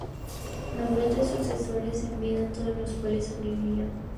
Nombró tres sucesores en vida, a todos los cuales sobrevivió.